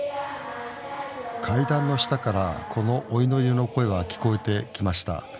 階段の下からこのお祈りの声が聞こえてきました。